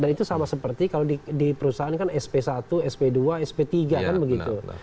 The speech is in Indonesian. dan itu sama seperti kalau di perusahaan kan sp satu sp dua sp tiga kan begitu